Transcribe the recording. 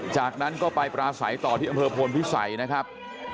จากนั้นก็ไปปราศัยต่อที่อำเภอโพนพิสัยนะครับ